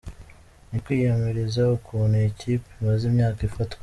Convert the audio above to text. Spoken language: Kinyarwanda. Ni kwiyamiriza ukuntu iyi kipe imaze imyaka ifatwa.